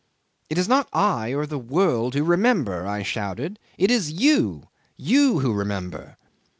'"It is not I or the world who remember," I shouted. "It is you you, who remember."